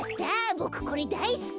ボクこれだいすき！